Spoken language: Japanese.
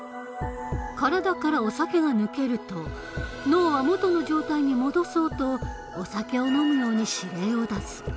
体からお酒が抜けると脳は元の状態に戻そうとお酒を飲むように指令を出す。